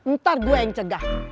ntar gue yang cegah